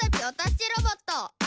お助けロボット」